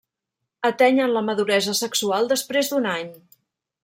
Atenyen la maduresa sexual després d'un any.